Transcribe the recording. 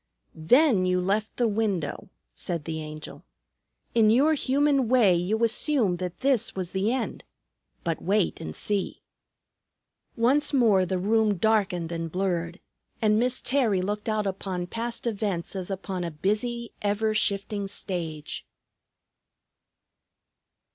"Then you left the window," said the Angel. "In your human way you assumed that this was the end. But wait and see." Once more the room darkened and blurred, and Miss Terry looked out upon past events as upon a busy, ever shifting stage.